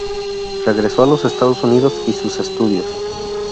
Regresó a los Estados Unidos y sus estudios.